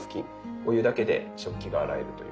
お湯だけで食器が洗えるという。